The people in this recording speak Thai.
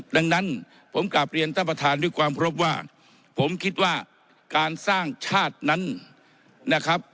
ดังนั้นผมกลับเรียนท่านประธานด้วยความครบว่าผมคิดว่าการสร้างชาตินั้นนะครับ